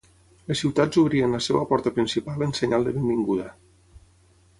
Les ciutats obrien la seva porta principal en senyal de benvinguda.